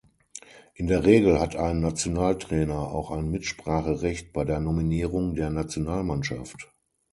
In der Regel hat ein Nationaltrainer auch ein Mitspracherecht bei der Nominierung der Nationalmannschaft.